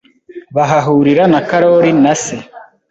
bahahurira na karoli na se